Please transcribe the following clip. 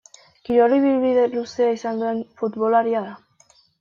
Kirol ibilbide luzea izan duen futbolaria da.